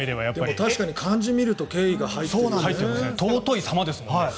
確かに漢字を見ると敬意が入ってるように。